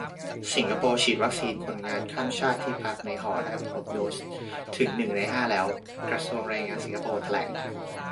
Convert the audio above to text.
สิงคโปร์ฉีดวัคซีนคนงานข้ามชาติที่พักในหอได้ครบโดสถึงหนึ่งในห้าแล้ว - กระทรวงแรงงานสิงคโปร์แถลง